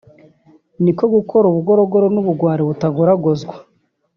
niko gukora ubugorogoro n’ubugwari butagoragozwa